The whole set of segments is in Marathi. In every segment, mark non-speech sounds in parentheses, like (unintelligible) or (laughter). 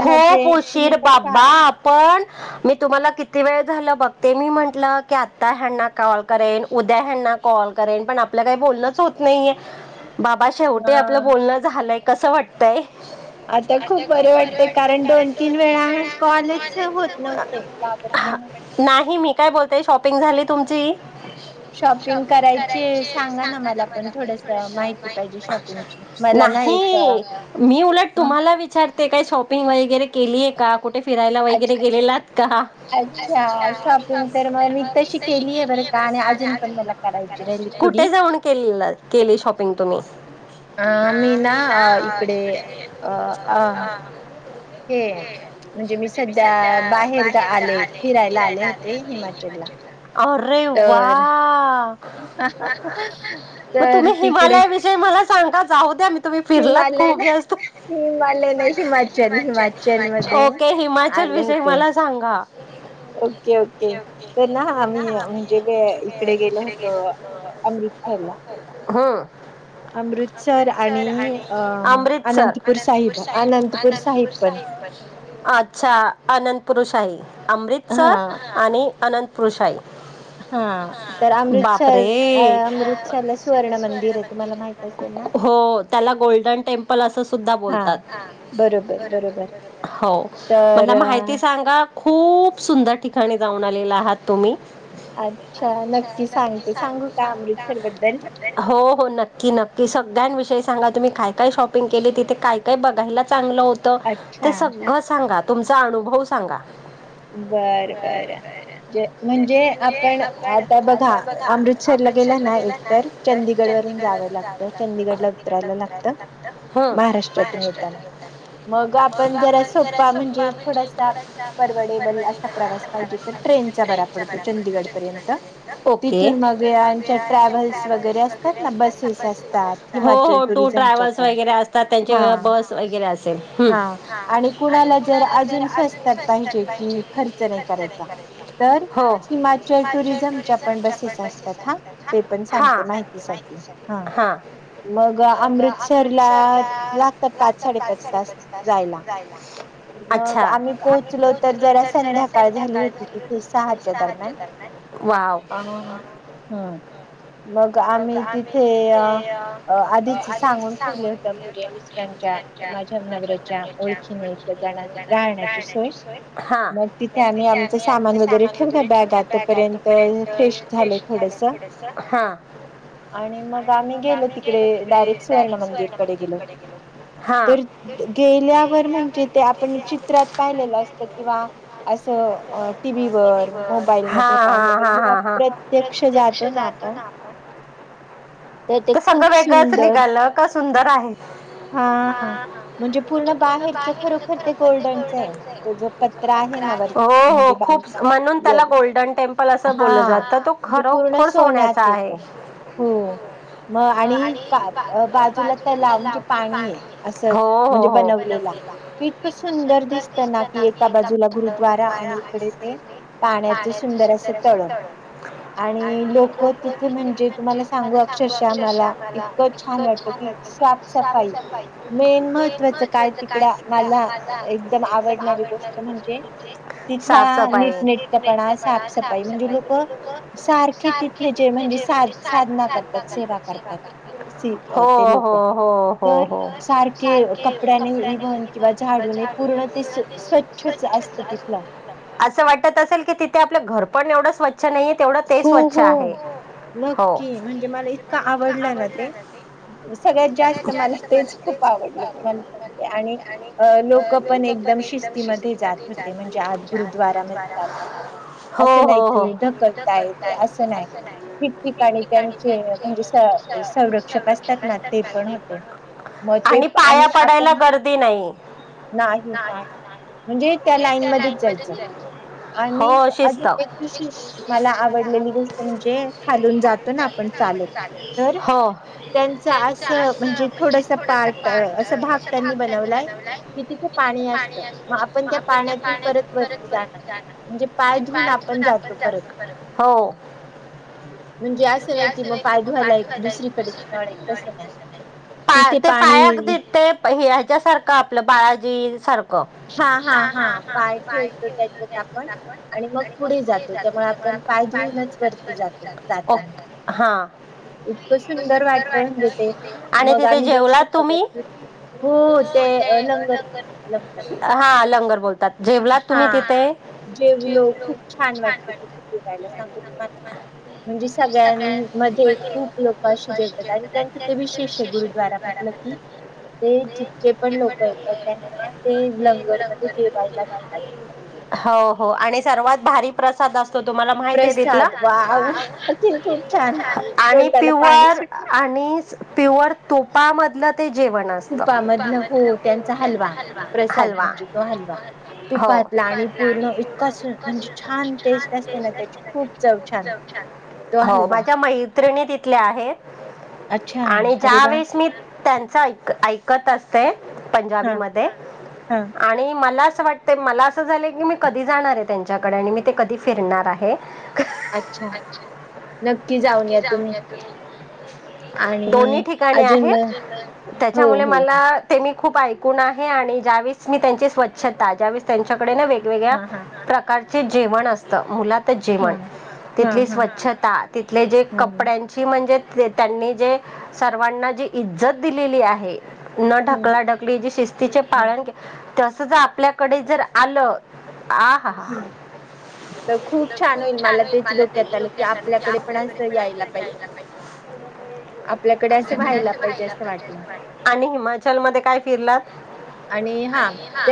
खूप उशीर बाबा पण मी तुम्हाला किती वेळ झाल बघते मी म्हंटलं की आता ह्यांना कॉल करेन उद्या ह्यांना कॉल करेल पण आपल काही बोलन होत नाही शेवटी आपलं बोलणं झालंय कसं वाटतंय? आता खूप बरे वाटत ते कारण दोन तीन वेळा कॉलच होत नव्हते. लागत पण नाही मी काय बोलतेय शॉपिंग झाली तुमची? शॉपिंग करायचे सांगा ना मला पण थोडस माहिती नाही. नाही मी उलट तुम्हाला विचारते काय शॉपिंग वगैरे केलीय का? कुठे फिरायला वगैरे गेलेलात का? अच्छा! शॉपिंग तर मग मी तशी केली आहे बरं का आणि अजून पण मला कुठे जाऊन केली केली शॉपिंग तुम्ही? आ मीला इ कडे आ आ (unintelligible) म्हणजे मी सध्या बाहेरला आले फिरायला आले होते हिमाच अरे वा! मग तुम्ही हिमालया वि मला सांगा जाऊ द्या तुम्ही फिरलात खूप जास्त हिमालय नाही हिमाचल हिमाचल मध्ये आले होते. ओके ओके तर ना आम्ही म्हणजे इकडे गेलो होतो. अमृतसर. हम्, अमृतसर अच्छा! अनंतपुर शाही अमृतसर आणि अनंतपुरशाही बापरे (inaudible) हो त्याला गोल्डन टेम्पल असं सुद्धा बोलत हो मला माहिती सांगा. खूप सुंदर ठिकाणी जाऊन आलेला आहात. तुम्ही अच्छा सांगता (unintelligible) हो हो नक्की नक्की सगळ्यांविषयी सांगा तुम्ही काय काय शॉपिंग केले तिथे काय काही बघायला चांगलं होत, ते सगळं सांगा तुमचा अनुभव सांगा. बर बर! म्हणजे आपण आता बघा अमृतसरला गेला ना एकतर चंदीगड वरण जावं लागतं चंदीगडला उतरायला लागत. हा महाराष्ट्रातात मोठा मग आपण जरा सोपा म्हणजे थोडासा असा प्रवास पाहिजे तर ट्रेनचा ब पडतो चंदीगड पर्यंत तिथून मग ट्रॅव्हल्स वगैरे असतात ना बसेस असतात हिमाचल टुरिझमच्या पण! हा हा आणि कुणाला जर अजून स्वस्तात पाहिजे कि खर्च नाही करायचा तर हिमाचल टुरिझमच्या पण बसेस असतात हा. ते पण सांगते माहितीसाठी हा, मग अमृतसरला लागतात पाच साडे पाच तास जाईला मग आम्ही पोहचलो तर जरा संध्याकाळ झाली होती तिथे सहाच्या दरम्यान अ हा! मग आम्ही तिथे आधीच सांगून ठेवले होत. म्हणजे मिस्टरांच्या माझ्या नवरऱ्याच्या ओळखीने राहण्याची सोय मग तिथे आम्ही आमचं सामान वगैरे ठेवल्या बॅगा तोपर्यंत फ्रेश झालो थोडस. हा! आणि मग आम्ही गेलो तिकडे डायरेक्ट सुवर्ण मंदिरकडे गेलो. हा! किंवा असं टीव्ही वर मोबाईल मध्ये पाहिलं पण जेव्हा प्र प्रत्यक्ष जातो ना आपण! त सगळं वेगळंच निघालं क सुंदर आहे. हा म्हणजे पूर्ण बाहेरच खरोखर ते गोल्डनच आहे. हो हो खूप म्हणून त्याला गोल्डन टेम्पल असं बोललं जात. खरोखर सोण्याचा आहे. म आणि बाजूला त्याला पाणी आहे अस म्हणजे बनलेला ते इतकं सुंदर दिस तना की एका बाजूला गुरुद्वारा आणि इकडे ते पाण्याच सुंदर असं तळ. आणि लोक तिथे म्हणजे तुम्हाला सांगू अक्षरशः मला इतकं छान वाटतं कि साप सफाई मेन महत्वाचं काय तिकड मला एक एकदम आवडणारी गोष्ट म्हणजे तिथला नीटनेटकपणा साफसफाई म्हणजे लोक सारखे तिथले जे म्हणजे सा साधना करतात सेवा करतात. सिक ते लोक तर सारखे कपड्याने इव्हन किंवा झाडूने पूर्ण ते स्वच्छच असत तिथलं. असं वाटत असेल की तिथे आपलं घर पण एवढंच स्व च्छ नाहीये तेवढ हो हो नक्की म्हणजे मला इतका आवडला ना ते! सगळ्यात जास्त मला तेच खूप आवडलं तुम्हाला सांगते आणि अ लोक पण एकदम शिस्तीमध्ये जात होते, म्हणजे आज गुरुद्वारामध्ये जातात. असं नाही कि ढकलता अस नाही ठिक ठिकाणी त्यांचे म्हणजे संक्षक असतात ना ते पण होते, मग ते आणि आपण नाही नाही. म्हणजे त्या लाईन मध्येच जायचं आणि अजून एक विशेष मला आवडलेली गोष्ट म्हणजे खालून जातो ना आपण चालत तर त्यांचं असं म्हणजे थोडस पार्ट अस भाग त्यांनी बनवलाय की तिथं पाणी असतं म आपण त्या पाण्यातून परत वरती जाणार, म्हणजे पाय धुऊन आपण जातो परत. हो! (unintelligible) पा ते पाया अगदी ते ह्याच्यासारखं आपलं बाळाजी सार हा हा पाय ठेवतो आपण आणि मग पुढे जातो त्यामुळे ओके हा. म सुंदर वाटतं असेल ते? आणि तिथे जेवलात तुम्ही हा लंगर बोलतात जेवलात तुम्ही तिथे? जेवलो खूप छान वाटतं तिथे जेवायला सांगू तुम्हाला. म्हणजे सगळ्यांमध्ये खूप लोकं अशी जेवतं आणि त्यांच ते विशेष ते गुरुद्वारा मतलब की ते जितके पण लोकं येतात त्यांना ते लंगरमध्ये जेवायला हो हो आणि सर्वात भारी प्रसाद अस तो तुम्हाला माहिती आहे तिथला आणि प्युआर आणि प्युअर तुपामधलं ते जेवण आहे. स्त हलवा हो. तुपातला आणि पूर्ण इतकं छान टेस्ट असते ना त्यांची खूप ज छान हो माझ्या मैत्रिणी तिथल्या आहेत. आणि ज्या वेळेस मी त्यांचा ऐक कत ऐकत असते पंजाबी मध्ये आणि मला असं वाटतं मला असं झालंय की मी कधी जाणार आहे त्यांच्याकडे आणि मी ते कधी फिरणार आहे. अच्छा नक्की जाऊन या तुम्ही. दोन्ही ठिकाणी आहेत त्याच्यामुळे मला ते मी खूप ऐकून आहे आणि जावीस मी त्यांची स्वच्छता जावीस त्यांच्याकडे न वे वेगळ्या प्रकारचे जेवण असतं मुला ते जेवण, तिथली स्वच्छता, तिथले जे कपड्यांची म्हणजे ते त्यांनी जे सर्वांना जी इज्जत दिलेली आहे न ढकलाढकली जे शिस्तीचे पाळन के तसज आपल्याकडे जर आलं आ हा हा त खूप छान होईल मला त्यांची लोक्याता न ती आपल्याकडे पण असं यायला पाहिजे. आणि हिमाचल मध्ये काय फिरलात? आणि हा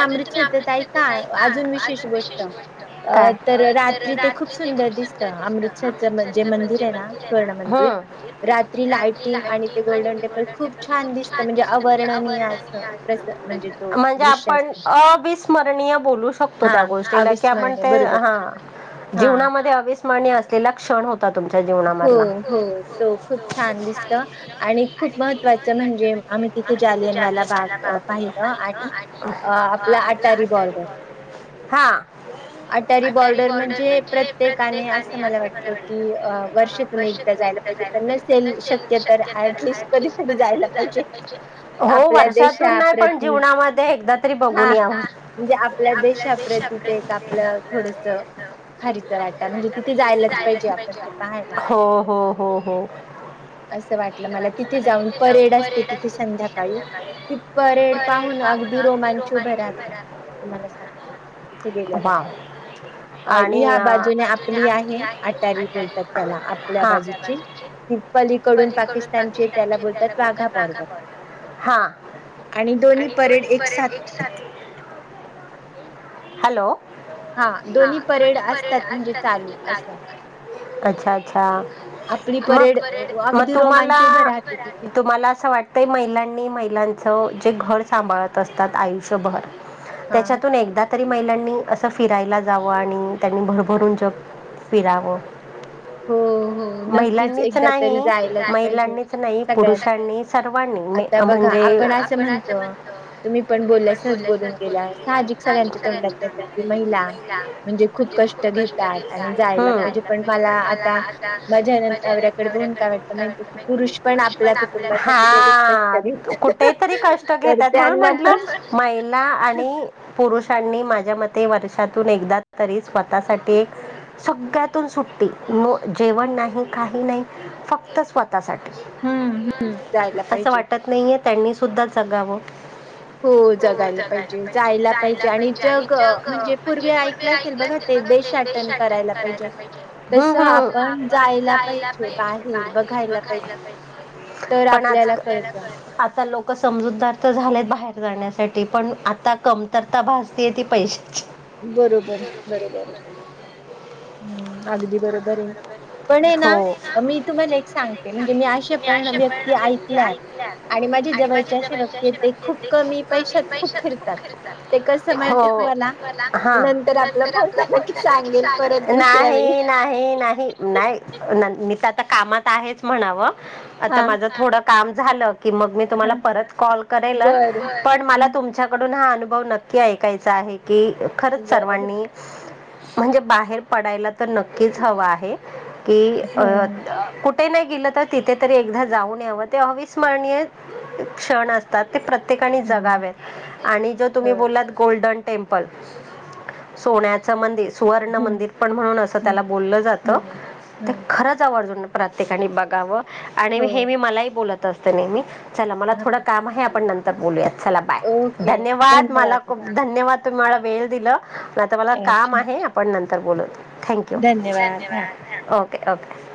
अजून तुम्ही (unintelligible) आहेत, ना अजून विशेष गोष्ट का. अ तर रात्री ते खूप सुंदर दिसतं अमृतसरचं म्हणजे मंदिर आहे ना. हा रात्री लायटिंग आणि ते गोल्डन टेम्पल खूप छान दिसतं, म्हणजे अवर्णनीय आहे. म्हणजे आपण अविस्मरणीय बोलू शकतो त्या गोष्टीला. त्या म्हणतय हा. जीवनामध्ये अविस्मरणीय असलेला क्षण होता तुमच्या जीवनाम हो होय. तो खूप छान दिसतं आणि खूप महत्वाचं म्हणजे आम्ही तिथे जालियनवाला बाग हा अटारी बॉर्डर म्हणजे प्रत्येकाने असं मला वाटत की वर्ष हो वर्षात तून नाय पण जीवनामध्ये एकदा तरी बघून या. हो हो हो हो. असं वाटलं मला तिथे जाऊन परेड असते तिथे संध्याकाळी ती परेड पाहून अगदी रोमांच उभं राहतं तुम्हाला सांगते तीथे गेल्यावर. अ या बाजूने आपली आहे आटारी बोलतात त्याला आपल्या बाजू ची पलीकडून पाकिस्तानचे त्याला बोलतात वाघा बॉर्डर. आणि दोन्ही परेड एक हॅलो हा, दोन्ही परेड असतात, अच्छा अच्छा. मग परेड, मग तुमाला, तुम्हाला असं वाट ते महिलांनी, महिलांचं, जे घर सांभाळत असतात, आयुष्यभर त्याच्यातून एकदा तरी महिलांनी असं फिरायला जावं, आणि त्यांनी भरभरून जग फिरावं हो. महिलांनीच नाही, महिलांनीच नाही, पुरुषांनी सर्वांनी म्हणजे, हे बघा आपण असं म्हणतो तुम्ही पण बोलल्या सहज बोलून गेला, साहजिक सगळ्यांच्या तोंडातल्या महिला म्हणजे खूप कष्ट घेतात, आणि जायला पाहिजे, पण मला आता माझ्या नवऱ्याकडे बघून काय वाटत माहिती आहे, की पुरुष पण आपल्या कुटुंबासाठी तेवढेचा कष्ट घेतात. ते तरी कष्ट घेतात, म्हणून म्हंटलं महिला आणि पुरुषांनी माझ्या मते, वर्षातून एकदा तरी स्वतःसाठी एक सगळ्यातून सुट्टी, जेवण नाही, काही नाही, फक्त स्वतः स्वतःसाठी, असं वाटत नाहीये, त्यांनी सुद्धा जगावं हो जगायला पाहिजे, जायला पाहिजे, आणि जग म्हणजे पूर्वी ऐ (unintelligible) करायला पाहिजे. आपण जायला पाहिजे बाहेर व खायला पाहिजे, पण आता आपल्याला कळ आता लोक लोक समजूतदार तर झालेत बाहेर जाण्यासाठी, पण आता कमतरता भासतीय ती पैशाची. बरोबर बरोबर. हम्म! अगदी बरोबर आहे, पण ये ना, मी तुम्हाला एक सांगते म्हणजे मी असे पण व्यक्ती ऐकल्यात, आणि माझी जवळचे असे व्यक्ती आहेत खूप कमी पैशातत खूप फिरतात, ते कसं माहिती ये तुम्हाला नंतर आपलं बोलताना की, सांगेल परत दुसऱ्या वेळी नाही नाही नाही, मी तर आता कामात आहेच म्हणावं आता माझं थोडं काम झालं. की मग मी तुम्हाला परत कॉल करेलच, पण मला तुमच्या कडून हा अनुभव नक्की ऐकायचा आहे, की खरच सर्वांनी म्हणजे बाहेर पडायला तर नक्कीच हव आहे. की अ कुठ कुठे नाही गेलं तर, तिथे तरी एकदा जाऊन याव, ते अविस्मरणीय क्षण अस असतात, ते प्रत्येकाने जगावे, आणि जो तुम्ही बोलात गोल्डन टेंपल, सोन्याचं मंदिर, सुवर्ण मंदिर, पण म्हणून अस त्याला बोललं जात, ते खरंच आवर्जून प्रत्येकाने बघावं. आणि हे मी मलाही बोलत असते नेहमी, चला मला थोडं काम आहे आपण नंतर बोलूयात चला बाय, धन्यवाद! मला खूप धन्यवाद तुम्हाला वेळ दिल. आता मला काम आहे, आपण नंतर बोलूयात. (unintelligible) Okay okay.